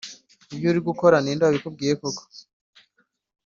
ibyo uri gukora ninde wabikubwiye koko.